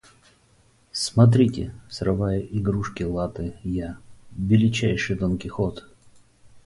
Смотрите — срываю игрушки-латы я, величайший Дон-Кихот!